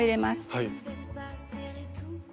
はい。